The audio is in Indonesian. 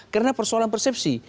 karena persoalan persepsi